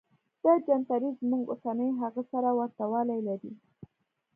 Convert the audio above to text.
دا جنتري زموږ اوسنۍ هغې سره ورته والی لري.